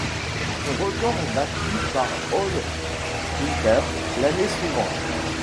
Son record est battu par Ole Ritter l'année suivante.